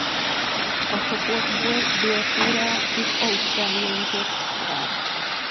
A csoportból Dél-Korea és Ausztrália jutott tovább.